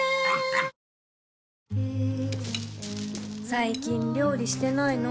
最近料理してないの？